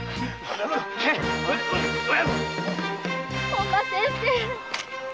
本間先生。